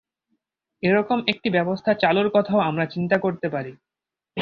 এ রকম একটি ব্যবস্থা চালুর কথাও আমরা চিন্তা করতে পারি।